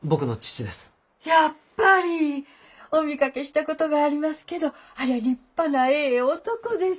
やっぱり！お見かけしたことがありますけどありゃあ立派なええ男です。